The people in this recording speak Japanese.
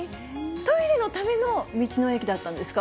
トイレのための道の駅だったんですか。